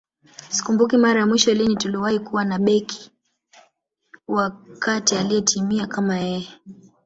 Sikumbuki mara ya mwisho lini tuliwahi kuwa na beki wa kati aliyetimia kama yeye